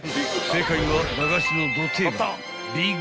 ［正解は駄菓子のど定番］